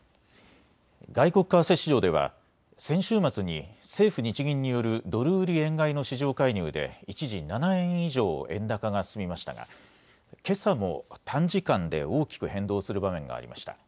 外国為替市場では先週末に政府・日銀によるドル売り円買いの市場介入で一時、７円以上円高が進みましたがけさも短時間で大きく変動する場面がありました。